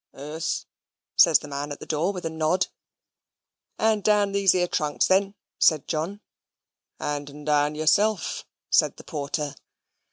"Ees," says the man at the door, with a nod. "Hand down these 'ere trunks then," said John. "Hand 'n down yourself," said the porter.